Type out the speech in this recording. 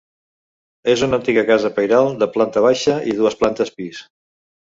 És una antiga casa pairal de planta baixa i dues plantes pis.